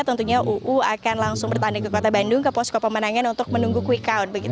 tentunya uu akan langsung bertanding ke kota bandung ke posko pemenangan untuk menunggu quick count